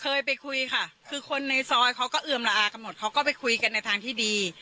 เคยไปคุยค่ะคือคนในซอยเขาก็เอือมละอากันหมดเขาก็ไปคุยกันในทางที่ดี